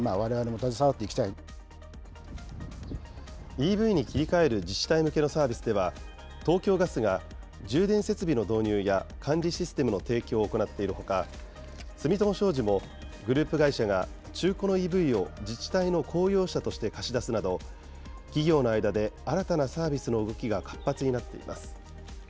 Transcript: ＥＶに切り替える自治体向けのサービスでは、東京ガスが充電設備の導入や管理システムの提供を行っているほか、住友商事もグループ会社が中古のＥＶを自治体の公用車として貸し出すなど、企業の間で新たなサービスの動きが活発になっています。